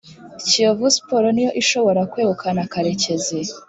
kiyovu sports ni yo ishobora kwegukana karekezi